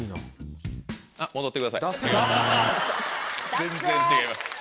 全然違います。